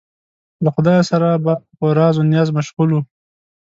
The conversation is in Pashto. له خدایه سره به په راز و نیاز مشغول و.